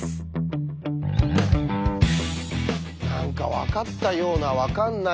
何か分かったような分かんないような。